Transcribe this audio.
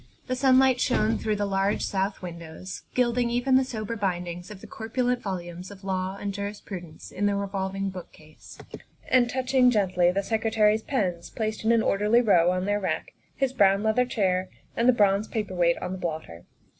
The sun light shone through the large south windows, gilding even the sober bindings of the corpulent volumes of law and jurisprudence in the revolving bookcase and touch ing gently the Secretary's pens, placed in an orderly row on their rack, his brown leather chair, and the bronze paper weight on the blotter.